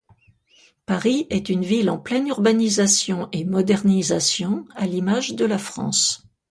Paris est une ville en pleine urbanisation et modernisation, à l'image de la France.